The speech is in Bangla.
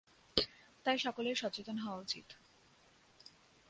তাই সকলের সচেতন হওয়া উচিত।